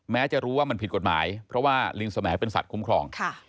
จะรู้ว่ามันผิดกฎหมายเพราะว่าลิงสมัยเป็นสัตว์คุ้มครอง